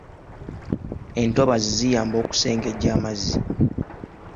Entobazi ziyamba okusengejja amazzi.